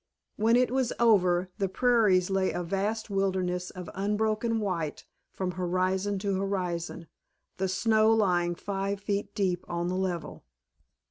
When it was over the prairies lay a vast wilderness of unbroken white from horizon to horizon, the snow lying five feet deep on the level.